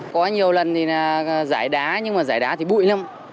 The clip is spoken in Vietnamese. có nhiều lần thì giải đá nhưng mà giải đá thì bụi lắm